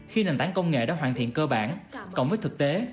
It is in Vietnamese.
khi nền tảng công nghệ đã hoàn thiện cơ bản cộng với thực tế